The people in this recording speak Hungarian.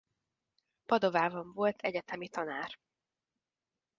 Padovában volt egyetemi tanár.